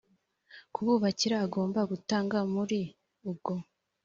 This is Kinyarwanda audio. kububakira agomba gutanga muri ubwo